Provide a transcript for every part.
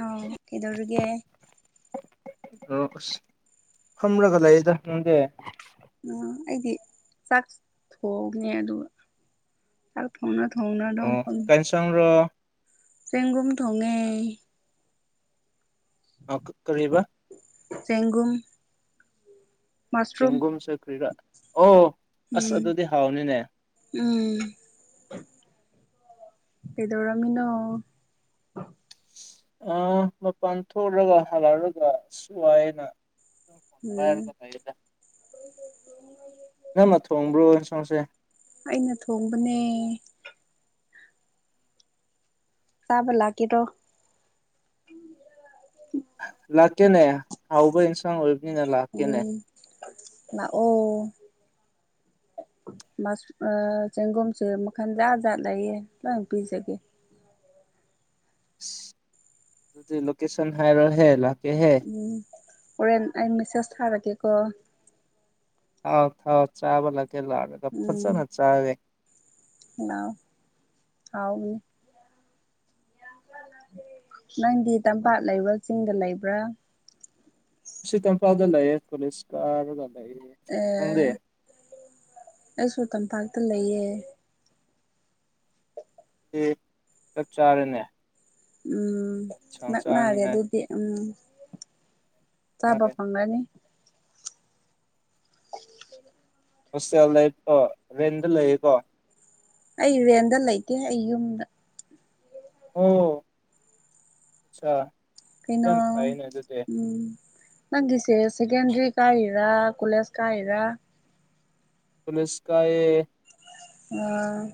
ꯑꯣ ꯀꯩꯗꯧꯔꯒꯦ ꯑꯣ ꯑꯁ ꯈꯝꯔꯒ ꯂꯩꯗ ꯅꯪꯗꯦ ꯎ ꯑꯩꯗꯤ ꯆꯥꯛ ꯊꯣꯡꯅꯦ ꯑꯗꯨꯒ ꯆꯥꯛ ꯊꯣꯡꯅꯕ ꯊꯣꯡꯅꯥꯗꯝ ꯑꯣ ꯐꯜ ꯀꯥꯏꯟꯁꯥꯡꯔꯣ ꯆꯦꯡꯒꯨꯝ ꯊꯉꯦ ꯑ ꯀ ꯀꯕ ꯆꯦꯡꯒꯨꯝ ꯃꯁꯔꯨꯝ ꯆꯤꯡꯒꯨꯝ ꯆꯈ꯭ꯔꯤꯔꯥ ꯑꯣ ꯑꯁ ꯎꯝ ꯑꯗꯨꯗꯤ ꯍꯥꯎꯅꯤꯅꯦ ꯎꯝ [inaudible] ꯀꯗꯧꯔꯥꯃꯤꯅꯣ ꯑ ꯃꯄꯥꯟ ꯊꯣꯛꯂꯒ ꯍꯜꯂꯛꯔꯒ ꯁꯏꯅ ꯎꯝ ꯅꯪꯃ ꯊꯣꯡꯕ꯭ꯔꯣ ꯁꯣꯁꯦ ꯑꯩꯅ ꯊꯣꯡꯕꯅꯦ ꯇꯥꯕ ꯂꯥꯛꯀꯤꯦ ꯇꯣ ꯂꯥꯛꯀꯦꯅꯦ ꯍꯥꯎꯕ ꯑꯦꯟꯁꯥꯡ ꯑꯣꯏꯕꯅꯤꯅ ꯂꯥꯛꯀꯦꯅꯦ ꯅ ꯑꯣ [inaudible] ꯆꯦꯡꯒꯨꯝꯁꯦ ꯃꯈꯟꯖꯥꯠ ꯖꯥꯠ ꯂꯩꯌꯦ ꯂꯣꯏ ꯄꯤꯖꯒꯦ ꯑꯁ ꯑꯗꯨꯗꯤ ꯂꯣꯀꯦꯁꯟ ꯍꯥꯏꯔꯍꯦ ꯂꯥꯛꯀꯦꯍꯦ ꯑꯣꯣꯔꯦꯟ ꯑꯩ ꯃꯦꯁꯦꯖ ꯊꯔꯒꯦꯀꯣ ꯊꯥꯎ ꯊꯥꯎ ꯆꯥꯕ ꯂꯒꯦ ꯂ ꯐꯁ ꯆꯥ ꯅꯥꯎ ꯑꯥꯎꯒꯤ ꯅꯪꯗꯤ ꯇꯝꯄꯥꯛ ꯂꯩꯕ꯭ꯔꯥ ꯆꯤꯡꯗ ꯂꯩꯕ꯭ꯔꯥ ꯁꯤ ꯀꯝ ꯐꯥꯎꯗꯂ ꯀꯂꯤꯁ ꯀ ꯑꯦ ꯑꯩꯁꯨ ꯇꯝꯄꯥꯛꯇ ꯂꯩꯌꯦ ꯆꯞꯆꯥꯔꯅꯦ ꯎꯝ ꯅꯛꯅꯔꯦ ꯑꯗꯨꯗꯤ ꯎꯝ ꯆꯥꯕ ꯍꯥꯏꯔꯦ ꯐꯪꯒꯅꯤ ꯍꯁꯦꯜ ꯂꯩꯀꯣ ꯔꯦꯟꯗ ꯂꯩꯌꯦꯀꯣ ꯑꯩ ꯔꯦꯟꯗ ꯂꯩꯒꯦ ꯑꯩ ꯌꯨꯝꯗ ꯑꯣ ꯑꯆꯥ ꯀꯅ ꯌꯥꯝ ꯐꯩꯅꯦ ꯑꯗꯨꯗꯤ ꯎꯝ ꯅꯪꯒꯤꯁꯦ ꯁꯦꯀꯦꯟꯗꯔꯤ ꯀꯥꯏꯔ ꯀꯣꯂꯦꯖ ꯀꯥꯏꯔ ꯄꯨꯂꯤꯁ ꯀꯑ ꯑ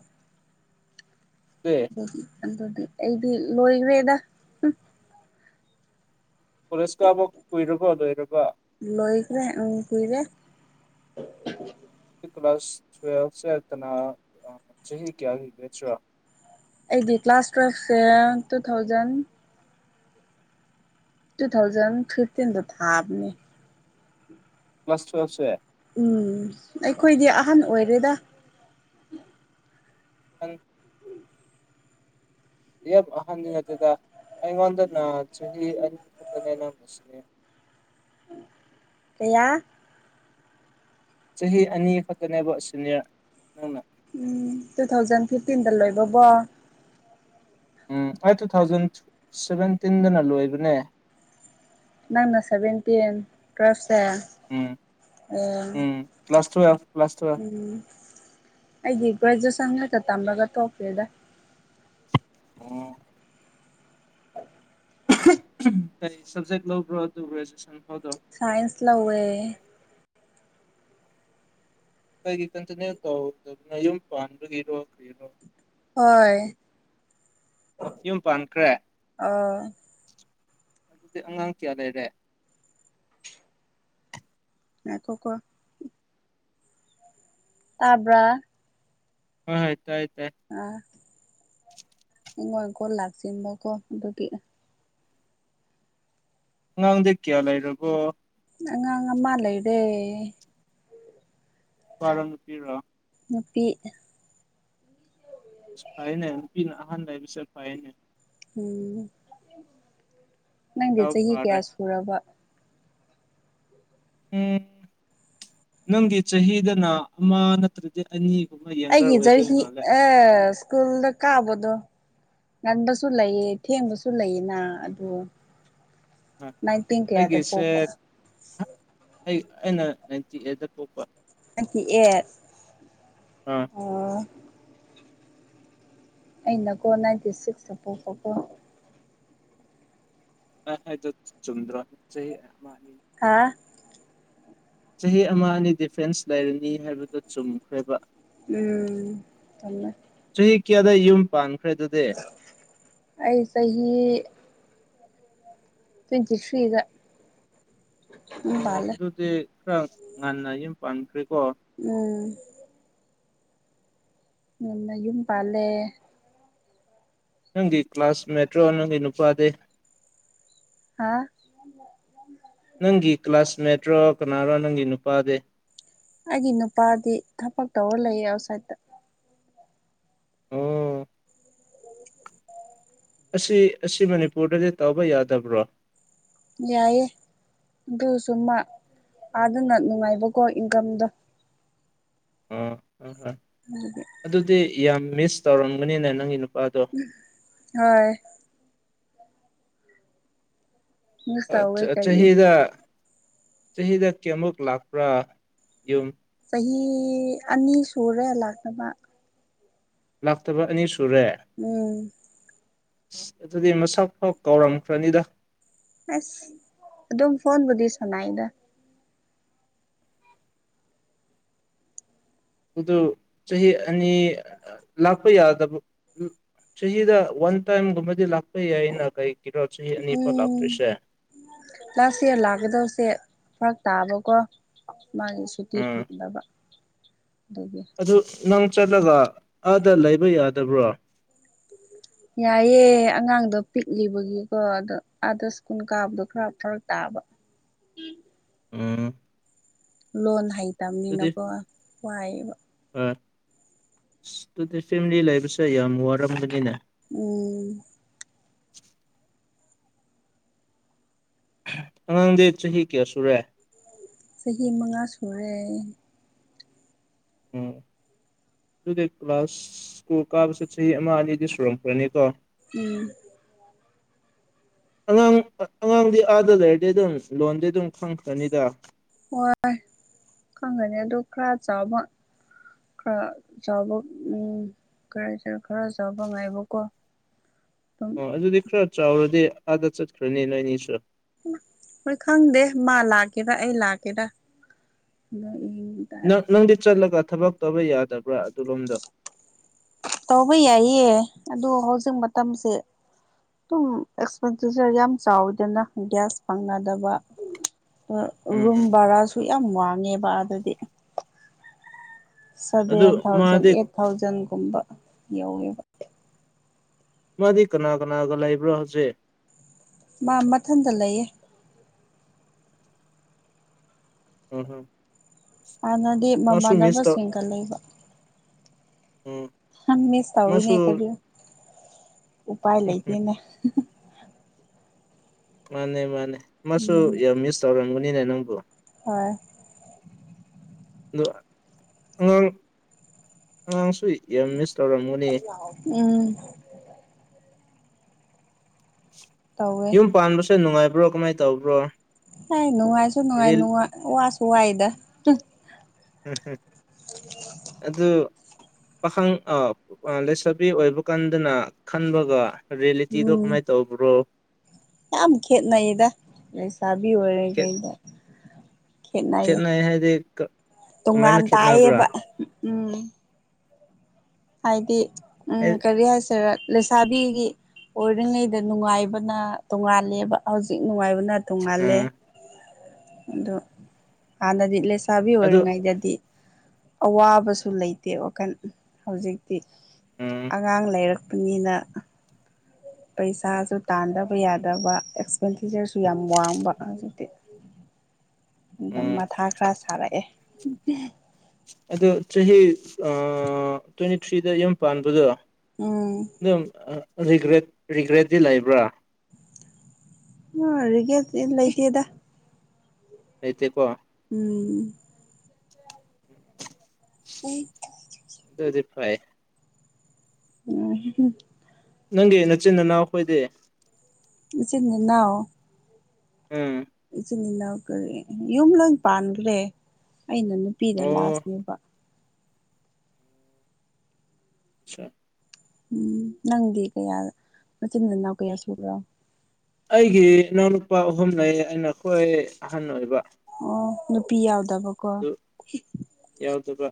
ꯑꯗꯨ ꯑꯗꯨꯗꯤ ꯑꯗꯨꯗꯤ ꯑꯩꯗꯤ ꯂꯣꯏꯋꯦꯗ ꯀꯣꯂꯦꯖꯀ ꯑꯃꯨꯛ ꯀꯨꯏꯔꯕꯣ ꯂꯣꯏꯔꯕ ꯂꯣꯏꯈ꯭ꯔꯦ ꯎ ꯀꯔꯦ ꯀ ꯀ꯭ꯂꯥꯁ ꯇ꯭ꯋꯦꯜꯁ ꯏꯇꯅꯥ ꯆꯍꯤ ꯆꯍꯤ ꯀꯌꯥꯒꯤ ꯦꯆ ꯑꯩꯗꯤ ꯀ꯭ꯂꯥꯁ ꯇꯨꯋꯜꯐꯁꯦ ꯇꯨ ꯊꯥꯎꯖꯟ ꯇꯨ ꯊꯥꯎꯖꯟ ꯐꯤꯐꯇꯤꯟꯗ ꯊꯥꯕꯅꯦ ꯃꯁ ꯃꯁ ꯌꯥꯦ ꯎꯝ ꯑꯩꯈꯣꯏꯗꯤ ꯑꯍꯟ ꯑꯣꯏꯔꯦꯗ ꯎ ꯌꯥꯝ ꯑꯍꯗꯅꯠꯇꯦꯗ ꯑꯩꯉꯣꯟꯗꯅ ꯆꯍꯤ ꯑꯅꯤ ꯐꯛꯇꯅꯦꯅꯝꯃꯁꯤꯦ ꯀꯌꯥ ꯆꯍꯤ ꯑꯅꯤ ꯈꯛꯇꯅꯦꯕ ꯁꯨꯅꯤꯌꯔ ꯅꯪꯅ ꯎꯝ ꯇꯨ ꯊꯥꯎꯖꯟ ꯐꯤꯐꯇꯤꯟꯗ ꯂꯣꯏꯕꯕꯣ ꯎꯝ ꯑꯩ ꯇꯨ ꯊꯥꯎꯖꯟ ꯁꯚꯦꯟꯇꯤꯟꯗꯅ ꯂꯣꯏꯕꯅꯦ ꯅꯪꯅ ꯁꯚꯦꯟꯇꯤꯟ ꯇ꯭ꯨꯋꯦꯜꯐꯁꯦ ꯑ ꯎꯝ ꯎꯝ ꯀ꯭ꯂꯥꯁ ꯇꯨꯋꯦꯜꯐ ꯀ꯭ꯂꯥꯁ ꯇꯨꯋꯦꯜꯐ ꯎꯝ ꯑꯩꯒꯤꯄꯥꯖꯣ ꯆ ꯇꯝꯃꯒ ꯊꯣꯛꯀꯦꯗ ꯑꯣ ꯀꯩ ꯁꯕꯖꯦꯛ ꯂꯧꯕꯣ ꯇ ꯭ꯔꯦꯖꯌꯦꯁꯟ ꯁꯥꯏꯟꯁ ꯂ ꯍꯋꯦ ꯀꯩꯒꯤ ꯀꯟꯇꯅ ꯇꯧꯧꯗꯕꯅ ꯌꯨꯝ ꯄꯥꯟꯕꯒꯤꯔꯣ ꯀꯔꯣ ꯍꯣꯏ ꯌꯨꯝ ꯄꯥꯟꯈ꯭ꯔꯦ ꯑꯣ ꯑꯗꯨꯗꯤ ꯑꯉꯥꯡ ꯀꯌꯥ ꯂꯩꯔꯦ ꯉꯀꯣ ꯀꯣ ꯇꯥꯕ꯭ꯔ ꯍꯣꯏ ꯍꯣꯏ ꯇꯥꯏ ꯇꯥꯏ ꯑꯥ ꯍꯡꯉꯣꯟ ꯏꯀꯣ ꯂꯥꯛꯁꯤꯕꯀꯣ ꯑꯗꯨꯒꯤ ꯉꯥꯡꯗꯤ ꯀꯌꯥ ꯂꯩꯔꯔꯕꯣ ꯑꯉꯥꯡꯃ ꯂꯩ ꯏꯗꯦ ꯋꯥꯔ ꯅꯨꯄꯤꯔꯣ ꯅꯨꯄꯤ ꯑ ꯐꯩꯅꯦ ꯅꯨꯄꯤꯅ ꯑꯍꯥꯟꯕ ꯍꯥꯏꯕꯁꯦ ꯐꯩꯅꯦ ꯎꯝ ꯅꯪꯗꯤ ꯗꯥꯎ ꯆꯍꯤ ꯐꯔꯦ ꯀꯌꯥ ꯁꯨꯔꯕ ꯎꯝ ꯅꯪꯗꯤ ꯆꯍꯤꯗꯅ ꯑꯃ ꯅꯠꯇ꯭ꯔꯗꯤ ꯑꯅꯤ ꯑꯩꯒꯤꯖꯔꯍꯤ ꯑ ꯁꯀꯨꯜꯗ ꯀꯥꯕꯗꯣ ꯉꯟꯕꯁꯨ ꯂꯩꯌꯦ ꯊꯦꯡꯕꯁꯨ ꯂꯩꯌꯦꯅ ꯑꯗꯨ ꯑꯥ ꯅꯪ ꯇꯤ ꯀꯦꯗ ꯑꯩꯒꯤꯁꯦ ꯄꯄ ꯑꯩ ꯑꯩꯅ ꯅꯥꯏꯟꯇꯤ ꯑꯩꯗꯠꯇ ꯊꯣꯛꯄ ꯇꯤ ꯑꯦꯠ ꯑꯥ ꯑꯣ ꯑꯩꯅꯀꯣ ꯅꯥꯏꯟꯇꯤ ꯁꯤꯛꯁꯇ ꯄꯣꯛꯄꯀꯣ ꯑ ꯆꯨꯝꯗ꯭ꯔꯣ ꯆ ꯍꯥ ꯆꯍꯤ ꯑꯃ ꯑꯅꯤ ꯗꯤꯐꯦꯟꯁ ꯂꯩꯔꯅꯤ ꯍꯥꯏꯕꯗꯨ ꯆꯨꯝꯈ꯭ꯔꯦꯕ ꯎꯝ ꯆ ꯌꯥꯗ ꯌꯨꯝ ꯄꯥꯟ ꯑꯩꯁ ꯍ ꯆꯖꯤꯁꯔꯤꯒ ꯑꯣ ꯑꯗꯨꯗꯤ ꯈꯔ ꯉꯟꯅ ꯌꯨꯝ ꯄꯥꯟꯈ꯭ꯔꯦ ꯎꯝ ꯅ ꯌꯨꯝ ꯄꯥꯜꯂꯦ ꯅꯪꯒꯤ ꯀ꯭ꯂꯥꯁꯃꯦꯠꯇ꯭ꯔꯣ ꯅꯪꯒꯤ ꯅꯨꯄꯥꯗꯤ ꯍꯥ ꯅꯪꯒꯤ ꯀ꯭ꯂꯥꯁꯃꯦꯠ ꯅꯠꯇ꯭ꯔꯣ ꯀꯅꯥꯅꯣ ꯅꯪꯒꯤ ꯅꯨꯄꯥꯗꯤ ꯑꯩꯒꯤ ꯅꯨꯄꯥꯗꯤ ꯊꯕꯛ ꯇꯧꯔ ꯂꯩꯌꯦ ꯑꯥꯎꯠꯁꯥꯏꯗꯠꯇ ꯎꯝ ꯑꯁꯤ ꯑꯁꯤ ꯃꯅꯤꯄꯨꯔꯗꯗꯤ ꯇꯧꯕ ꯌꯥꯗꯕ꯭ꯔꯣ ꯌꯥꯑꯌꯦꯦ ꯑꯗꯨꯁꯨ ꯃꯥ ꯑꯥꯗꯅ ꯅꯨꯡꯉꯥꯏꯕꯀꯣ ꯏꯟꯀꯝꯗꯣ ꯑꯣ ꯍꯣꯏ ꯍꯣꯏ ꯑꯗꯨꯗꯤ ꯌꯥꯝ ꯃꯤꯁ ꯇꯧꯔꯝꯒꯅꯤꯅꯦ ꯅꯪꯒꯤ ꯅꯨ ꯍꯣꯏ ꯃꯤꯁ ꯇꯧꯋꯦ ꯀꯔꯤ ꯆꯍꯤꯗ ꯆꯍꯤꯗ ꯀꯌꯥꯃꯨꯛ ꯂꯥꯛꯄ꯭ꯔꯥ ꯌꯨꯝ ꯆꯍꯤ ꯑꯅꯤ ꯁꯨꯔꯦ ꯂꯥꯛꯅꯕ ꯂꯥꯛꯥꯛꯇ ꯑꯅꯤ ꯎꯝ ꯁ ꯑꯗꯨꯗꯤ ꯃꯁꯛ ꯐꯥꯎ ꯀꯥꯎꯔꯝꯈ꯭ꯔꯅꯤꯗ ꯑꯁ ꯑꯗꯨꯝ ꯐꯣꯟꯕꯨꯗꯤ ꯁꯅꯥꯏꯗ ꯑꯗꯨ ꯆꯍꯤ ꯑꯅꯤ ꯂꯥꯛꯄ ꯌꯥꯗꯕ ꯁꯍꯤꯗ ꯋꯥꯟ ꯇꯥꯏꯝ ꯃꯗꯤ ꯂꯥꯛꯄ ꯏꯩꯅ ꯀꯩ ꯎꯝ ꯂꯥꯁ ꯏꯌꯥꯔ ꯂꯥꯛꯒꯗꯕꯁꯦ ꯐ ꯇꯥꯕꯀꯣ ꯃꯥꯒꯤ ꯁꯨꯇꯤ ꯎꯝ ꯐꯪꯗꯕ ꯑꯗꯨꯒꯤ ꯑꯗꯨ ꯅꯪ ꯆꯠꯂꯒ ꯑꯥꯗ ꯂꯩꯕ ꯌꯥꯗꯕ꯭ꯔꯣ ꯌꯥꯏꯑꯦ ꯑꯉꯥꯡꯗꯣ ꯄꯤꯛꯂꯤꯕꯒꯤꯀꯣ ꯑꯗꯣ ꯑꯥꯗ ꯁ꯭ꯀꯨꯜ ꯀꯥꯕꯗꯣ ꯈꯔ ꯐꯔꯛ ꯇꯥꯕ ꯎꯝ ꯂꯣꯟ ꯑꯗꯨꯗꯤ ꯍꯩꯇꯕꯅꯤꯅꯀꯣ ꯋꯥꯏꯕ ꯑꯗꯨꯗꯤ ꯐꯦꯃꯤꯂꯤ ꯂꯩꯕꯁꯦ ꯌꯥꯝ ꯋꯥꯔꯝꯕꯅꯤꯅꯦ ꯎꯝ [inaudible] ꯑꯉꯥꯡꯗꯤ ꯆꯍꯤ ꯀꯌꯥ ꯁꯨꯔꯦ ꯆꯍꯤ ꯃꯉꯥ ꯁꯨꯔꯦ ꯎꯝ ꯑꯗꯨꯗꯤ ꯀ꯭ꯂꯥꯁꯀꯨ ꯀꯥꯕꯁꯦ ꯆꯍꯤ ꯑꯃ ꯑꯅꯤꯗꯤ ꯁꯨꯔꯝꯈ꯭ꯔꯅꯤꯀꯣ ꯎꯝ [inaudible] ꯑꯉꯥꯡ ꯑꯉꯥꯡꯗꯤ ꯑꯥꯗ ꯂꯩꯔꯗꯤ ꯑꯗꯨꯝ ꯂꯣꯟꯗꯤ ꯑꯗꯨꯝ ꯈꯪꯈ꯭ꯔꯅꯤꯗ ꯍꯣꯏ ꯈꯪꯒꯅꯤ ꯑꯗꯨ ꯈꯔ ꯆꯥꯎꯥꯕ ꯈꯔ ꯆꯥꯕ ꯎꯝ ꯈꯔ ꯈꯔ ꯆꯥꯕ ꯉꯥꯏꯕꯀꯣ ꯑꯗꯨꯝ ꯑꯣ ꯑꯗꯨꯗꯤ ꯈꯔ ꯆꯥꯎꯔꯗꯤ ꯑꯥꯗ ꯆꯠꯈ꯭ꯔꯅꯤ ꯅꯣꯏꯅꯤꯁꯨ ꯍꯣꯏ ꯈꯪꯗꯦ ꯃꯥ ꯂꯥꯛꯀꯦꯔꯥ ꯑꯩ ꯂꯥꯛꯀꯦꯔ ꯅꯪ ꯅꯪꯗꯤ ꯆꯠꯂꯒ ꯊꯕꯛ ꯇꯧꯕ ꯌꯥꯗꯕ꯭ꯔꯥ ꯑꯗꯨꯂꯣꯝꯗꯣ ꯇꯧꯕ ꯌꯥꯏꯌꯦ ꯑꯗꯨ ꯍꯧꯖꯤꯛ ꯃꯇꯝꯁꯦ ꯑꯗꯨꯝ ꯑꯦꯛꯁꯄꯦꯟꯗꯤꯆꯔ ꯌꯥꯝ ꯆꯥꯎꯋꯤꯗꯅ ꯒ꯭ꯌꯥꯁ ꯐꯪꯅꯗꯕ ꯎꯝ ꯔꯨꯝ ꯎꯝ ꯕꯔꯥꯁꯨ ꯌꯥꯝ ꯋꯥꯡꯉꯦꯕ ꯑꯗꯨꯗꯤ ꯑꯗꯨ ꯁꯚꯦꯟ ꯊꯥꯎꯖꯟ ꯃꯥꯗꯤ ꯑꯦꯠ ꯊꯥꯎꯖꯟꯒꯨꯝꯕ ꯌꯧꯋꯦꯕ ꯃꯥꯗꯤ ꯀꯅꯥ ꯀꯅꯥꯒ ꯂꯩꯕ꯭ꯔꯣ ꯍꯧꯖꯤꯩ ꯃꯥ ꯃꯊꯟꯇ ꯂꯩꯌꯦ ꯍꯝ ꯍꯝ ꯍꯥꯟꯅꯗꯤ ꯃꯃꯥꯟꯅꯕꯁꯤꯡꯒ ꯂꯩꯕ ꯎꯝ ꯃꯤꯁ ꯇꯧꯤꯅꯦ ꯃꯥꯁꯨ ꯀꯁꯨ ꯎꯄꯥꯏ ꯎꯝ ꯎꯝ ꯂꯩꯒꯦꯅꯦ ꯃꯥꯅꯦ ꯃꯥꯅꯦ ꯃꯥꯁꯨ ꯎꯝ ꯃꯤꯁ ꯇꯧꯔꯝꯒꯅꯤꯅꯦ ꯅꯪꯕꯨ ꯍꯣꯏ ꯑꯣ ꯑꯉꯥꯡ ꯑꯉꯥꯡ ꯁꯨꯏ ꯑꯦꯝ ꯃꯤꯁ ꯇꯧꯔꯝꯃꯨꯅꯤ ꯎꯝ ꯇꯧꯋꯦ ꯌꯨꯝ ꯄꯥꯟꯕꯁꯨꯦ ꯅꯨꯡꯉꯥꯏꯕ꯭ꯔꯣ ꯀꯃꯥꯏꯅ ꯇꯧꯕ꯭ꯔꯣ ꯍ ꯅꯨꯡꯉꯥꯏꯁꯨ ꯔꯤꯜ ꯅꯨꯡꯉꯥꯏꯅꯨꯡ ꯋꯥꯁꯨ ꯋꯥꯏꯗ ꯎꯝꯝ ꯑꯗꯨ ꯄꯥꯈꯪ ꯂꯩꯁꯥꯕꯤ ꯑꯣꯏꯕ ꯀꯥꯟꯗꯅ ꯈꯟꯕꯒ ꯔꯦꯂꯤ ꯆꯤꯗꯣ ꯎꯝ ꯀꯃꯥꯏ ꯇꯧꯕ꯭ꯔꯣ ꯌꯥꯝ ꯈꯦꯠꯅꯩꯗ ꯂꯩꯁꯥꯕꯤ ꯑꯣꯏꯔꯦ ꯈꯦꯠ ꯀꯩꯗ ꯈꯦꯠꯅꯩꯌꯦ ꯈꯦꯠꯅꯩ ꯍꯥꯏꯗꯤ ꯀꯃꯥꯏꯅ ꯇꯣꯉꯥꯟ ꯈꯦꯠꯅꯕ꯭ꯔꯥ ꯇꯥꯏꯌꯦꯕ ꯎꯝ ꯍꯥꯏꯗꯤ ꯎ ꯑꯩ ꯀꯔꯤ ꯍꯥꯏꯁꯤꯔ ꯂꯩꯁꯥꯕꯤꯒꯤ ꯑꯣꯏꯔꯤꯉꯩꯗ ꯅꯨꯡꯉꯥꯏꯕꯅ ꯇꯣꯉꯥꯂꯦꯕ ꯍꯧꯖꯤꯛ ꯅꯨꯡꯉꯥꯏꯕ ꯎꯝ [inaudible] ꯆꯥꯕꯤ ꯑꯗꯨ ꯑꯣꯏꯔꯤꯉꯩꯗꯗꯤ ꯑꯋꯥꯕꯁꯨ ꯂꯩꯇꯦ ꯋꯥꯈꯜ ꯍꯧꯖꯤꯛ ꯎꯝ ꯑꯉꯥꯡ ꯂꯩꯔꯛꯄꯅꯤꯅ ꯄꯩꯁꯥꯁꯨ ꯇꯥꯟꯗꯕ ꯌꯥꯗꯕ ꯑꯦꯛꯁꯄꯦꯟꯗꯤꯆꯔꯁꯨ ꯌꯥꯝ ꯋꯥꯡꯕ ꯍꯧꯖꯤꯛꯇꯤ [unintelligible] ꯑꯗꯨꯝ ꯎꯝ ꯃꯊꯥ ꯈꯔ ꯁꯥꯔꯛꯑꯦ ꯑꯗꯣ ꯆꯍꯤ ꯇ꯭ꯋꯦꯟꯇꯤ ꯊ꯭ꯔꯤꯗ ꯌꯨꯝ ꯄꯥꯟꯕꯗꯣ ꯎꯝ ꯑꯗꯨꯝ꯭ꯔꯦ ꯔꯤꯒ꯭ꯔꯦꯠꯇꯤ ꯂꯩꯕ꯭ꯔꯥ ꯎꯒꯦ ꯏ ꯂꯩꯁꯤꯦꯗ ꯑꯇ ꯀꯣ ꯎꯝ ꯎꯝ ꯍꯣꯏ ꯎ ꯅꯪꯒꯤ ꯅꯆꯤꯤꯟꯅꯥꯎ ꯑꯩꯈꯣꯏꯗꯤ ꯆꯅꯤꯅꯑꯣ ꯎꯝ ꯏꯆꯅꯤ ꯏ ꯂ ꯀꯔꯤꯦ ꯌꯨꯝ ꯂ ꯄꯥꯟꯈ꯭ꯔꯦ ꯑꯩꯅ ꯅꯨꯄꯤꯗ ꯑꯣ ꯂꯥꯁꯅꯦꯕ ꯑꯆꯥ ꯎꯝ ꯅꯪꯗꯤ ꯀꯌꯥ ꯃꯆꯤꯟ ꯃꯅꯥꯎ ꯀꯌꯥ ꯁꯨꯕ꯭ꯔꯣ ꯑꯩꯒꯤ ꯏꯅꯥꯎꯅꯨꯄꯥ ꯑꯍꯨꯝ ꯂꯩ ꯑ ꯅꯈꯣꯏ ꯑꯍꯟ ꯑꯣꯏꯕ ꯑꯣ ꯅꯨꯄꯤ ꯌꯥꯗ ꯇꯕ ꯀꯣ ꯑꯗꯨ ꯌꯥꯎꯗꯕ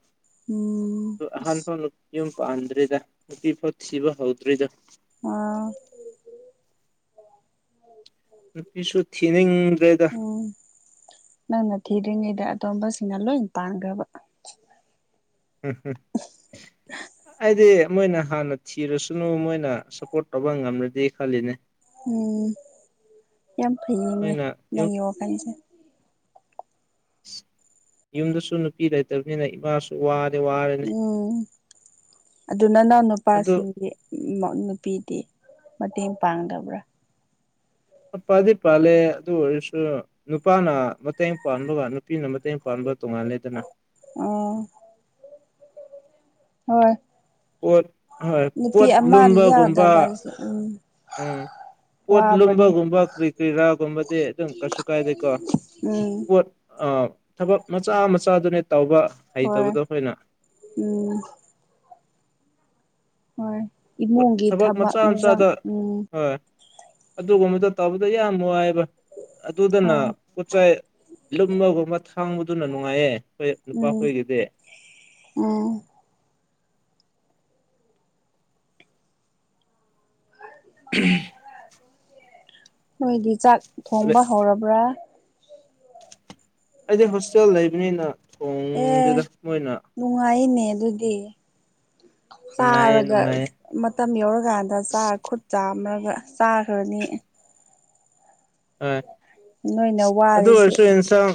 ꯎꯝ ꯑꯗꯨ ꯑꯍꯥꯟꯕ ꯌꯨꯝ ꯄꯥꯟꯗ꯭ꯔꯤꯗ ꯅꯨꯄꯤ ꯐꯥꯎ ꯊꯕ ꯍꯧꯗ꯭ꯔꯤꯗ ꯑꯥ ꯅꯨꯄꯤꯁꯨ ꯊꯤꯅꯤꯡꯗ꯭ꯔꯦꯗ ꯎꯝ ꯅꯪ ꯉꯠꯇꯔꯉꯦ ꯑ ꯑꯇꯣꯝꯕꯁꯤꯡꯅ ꯂꯣꯏ ꯄꯥꯟꯈ꯭ꯔꯕ ꯎꯝꯝ ꯍꯥꯏꯗꯤ ꯃꯣꯏꯅ ꯍꯥꯟꯅ ꯊꯤꯔꯁꯨꯅꯨ ꯃꯣꯏꯅ ꯄꯣꯠꯠꯇꯣꯕ ꯉꯝꯅꯗꯤ ꯈꯂꯤꯅꯦ ꯎꯝ ꯌꯥꯝ ꯐꯩꯅꯦ ꯅꯣꯏꯅ ꯅꯪ ꯌꯨꯝ ꯌꯦꯡ ꯋꯥꯀꯅꯤꯁꯦ ꯌꯨꯝꯗꯁꯨ ꯅꯨꯄꯤ ꯂꯩꯇꯕꯅꯤꯅ ꯏꯃꯥꯁꯨ ꯋꯥ ꯎꯝ ꯑꯗꯨ ꯅ ꯅꯎ ꯑꯗꯨ ꯅꯨꯄꯥꯁꯤꯡꯗꯤ ꯅꯨꯄꯤꯗꯤ ꯃꯇꯦꯡ ꯄꯥꯡꯗꯕ꯭ꯔꯥ ꯅꯨꯄꯥꯗꯤ ꯄꯥꯜꯂꯦ ꯑꯗꯨ ꯑꯣꯏꯔꯁꯨ ꯅꯨꯄꯥꯅ ꯃꯇꯦꯡ ꯄꯒ ꯅꯨꯄꯤꯅ ꯃꯇꯦꯡ ꯄ ꯇꯨꯡꯉꯥꯟꯂꯦꯗꯅ ꯑꯣ ꯍꯣꯏ ꯄꯣꯠ ꯍꯣꯏ ꯅꯨꯄꯤ ꯄꯣꯠ ꯑꯃ ꯂꯨꯝꯕꯒꯨꯝꯕ ꯌꯥꯎꯗꯕ ꯍꯥꯏꯁꯦ ꯎꯝ ꯎꯝ ꯄꯣꯠ ꯋꯥꯕꯅꯦ ꯂꯨꯝꯕꯒꯨꯝꯕ ꯀꯔꯤ ꯀꯔꯤꯔꯥꯒꯨꯝꯕꯗꯤ ꯑꯗꯨꯝ ꯀꯩꯁꯨ ꯀꯥꯏꯗꯦꯀꯣ ꯎꯝ ꯄꯣꯠ ꯊꯕꯛ ꯃꯆꯥ ꯃꯆꯥꯗꯨꯅꯦ ꯇꯧꯕ ꯍꯣꯏ ꯍꯩꯇꯕꯗꯣ ꯑꯩꯈꯣꯏꯅ ꯎꯝ ꯍꯣꯏ ꯏꯃꯨꯡꯒꯤ ꯊꯕꯛ ꯃꯆꯥ ꯏꯟꯖꯥꯡ ꯃꯆꯥꯗ ꯎꯝ ꯍꯣꯏ ꯑꯗꯨꯒꯨꯝꯕꯗꯣ ꯇꯧꯕꯗ ꯌꯥꯝ ꯅꯨꯡꯉꯥꯏꯕ ꯑꯗꯨꯗꯅ ꯑꯥ ꯄꯣꯠꯆꯥꯏ ꯂꯨꯝꯃꯒꯨꯝꯕ ꯊꯥꯡꯕꯗꯨꯅ ꯅꯨꯡꯉꯥꯏꯌꯦꯦ ꯈ ꯎꯝ ꯅꯨꯄꯥꯈꯣꯏꯒꯤꯗꯦ ꯎꯝ [inaudible] ꯅꯣꯏꯗꯤ ꯆꯥꯛ ꯊꯣꯡꯕ ꯍꯧꯔꯕ꯭ꯔꯥ ꯑꯩꯗꯤ ꯍꯣꯁꯇꯦꯜ ꯂꯩꯕꯅꯤꯅ ꯊꯣꯡꯗꯨꯗ ꯑꯦ ꯃꯣꯏꯅ ꯅꯨꯡꯉꯥꯏꯅꯦ ꯑꯗꯨꯗꯤ ꯅꯨꯡꯉꯥꯏꯌꯦ ꯆꯥꯔꯒ ꯅꯨꯡꯉꯥꯏꯌꯦ ꯃꯇꯝ ꯌꯧꯔꯀꯥꯟꯗ ꯆꯥꯔ ꯈꯨꯠ ꯆꯥꯃ ꯑꯗꯨꯒ ꯆꯥꯈ꯭ꯔꯅꯤ ꯍꯣꯏ ꯅꯣꯏꯅ ꯑꯗꯨ ꯋꯥꯔꯤꯁꯦ ꯑꯣꯏꯔꯁꯨ ꯑꯦꯟꯁꯥꯡ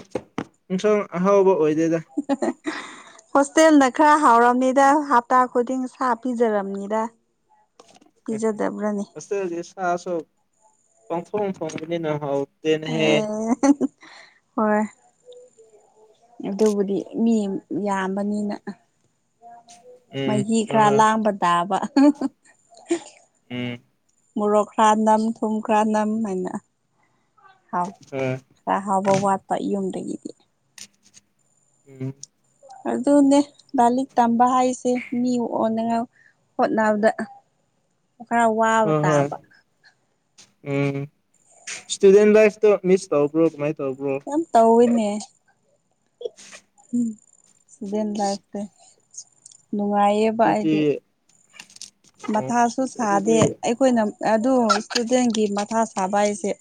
ꯌꯦꯟꯁꯥꯡ ꯑꯍꯥꯎꯕ ꯑꯣꯏ [inaudible] ꯍꯣꯁꯇꯦꯜꯅ ꯈꯔ ꯍꯥꯎꯔꯕꯝꯅꯤꯗ ꯍꯞꯇꯥ ꯈꯨꯗꯤꯡ ꯁꯥ ꯄꯤꯖꯔꯝꯅꯤꯗ ꯄꯤꯖꯗꯕ꯭ꯔꯅꯦ ꯁꯥ ꯀꯐ ꯐꯣꯟ ꯑꯣ ꯍꯔ ꯑꯗꯨꯕꯨꯗꯤ ꯃꯤ ꯌꯥꯝꯕꯅꯤꯅ ꯎꯝ ꯃꯍꯤ ꯍꯣꯏ ꯈꯔ ꯍꯣꯏ ꯂꯥꯡꯕ ꯇꯥꯕ ꯍꯦ ꯃꯣꯔꯣꯛꯈ꯭ꯔꯥ ꯅꯝ ꯊꯨꯝꯈ꯭ꯔꯥ ꯅꯝ ꯍꯥꯏꯅ ꯍꯥꯎ ꯍꯣꯏ ꯍꯥꯎꯕ ꯋꯥꯠꯄ ꯌꯨꯝꯗꯒꯤ ꯎꯝ ꯑꯗꯨꯅꯦ ꯂꯥꯏꯂꯤꯛ ꯇꯝꯕ ꯍꯥꯏꯁꯦ ꯃꯤ ꯑꯣꯅꯤꯡꯉꯥꯏ ꯍꯣꯠꯅꯕꯗ ꯈꯔ ꯋꯥꯕ ꯍꯣꯏ ꯍꯣꯏ ꯇꯥꯕ ꯎꯝ ꯏꯁꯇꯨꯗꯦꯟ ꯂꯥꯏꯐꯇꯣ ꯃꯤꯁ ꯊꯧꯕ꯭ꯔꯣ ꯌꯥꯝ ꯇꯧꯋꯦꯅꯦ ꯎꯝ ꯏꯁꯇꯨꯗꯦꯟ ꯂꯥꯏꯐꯇ ꯅꯨꯡꯉꯥꯏꯌꯦꯕ ꯑꯗꯨꯗꯤ ꯍꯥꯏꯗꯤ ꯑꯣ ꯃꯊꯥꯁꯨ ꯁꯥꯗꯦ ꯑꯗꯨꯗꯤ ꯑꯩꯈꯣꯏꯅ ꯑꯗꯨ ꯏꯁꯇꯨꯗꯦꯟꯒꯤ ꯃꯊꯥ ꯁꯥꯕ ꯍꯥꯏꯁꯦ